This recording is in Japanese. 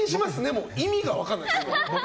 もう意味が分からないです。